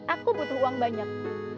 aku butuh uang banyak